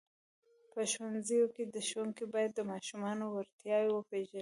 په ښوونځیو کې ښوونکي باید د ماشومانو وړتیاوې وپېژني.